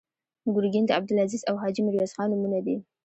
ګرګین د عبدالعزیز او حاجي میرویس خان نومونه دي.